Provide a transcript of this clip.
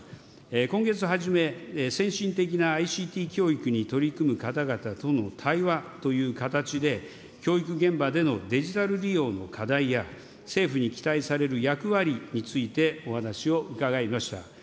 今月初め、先進的なＩＣＴ教育に取り組む方々との対話という形で、教育現場でのデジタル利用の課題や、政府に期待される役割について、お話を伺いました。